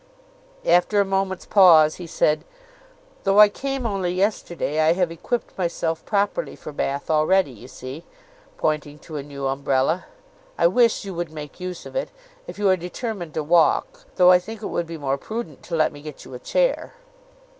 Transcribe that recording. After a moment's pause he said: "Though I came only yesterday, I have equipped myself properly for Bath already, you see," (pointing to a new umbrella); "I wish you would make use of it, if you are determined to walk; though I think it would be more prudent to let me get you a chair."